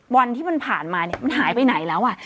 ๑๐วันที่มันผ่านมามันหายไปไหนแล้ว